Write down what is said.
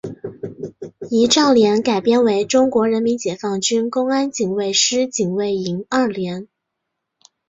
仪仗连改编为中国人民解放军公安警卫师警卫营二连。